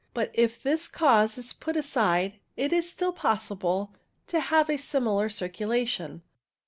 But if this cause is put aside it is still possible to have a similar circulation.